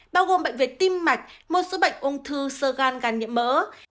bao gồm bệnh về tim mạch một số bệnh ôn thư sơ gan gan nhiễm mỡ